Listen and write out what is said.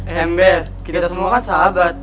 eh ember kita semua kan sahabat